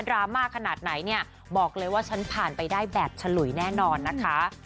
ราม่าขนาดไหนเนี่ยบอกเลยว่าฉันผ่านไปได้แบบฉลุยแน่นอนนะคะ